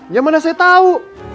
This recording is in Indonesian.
ya mana saya tau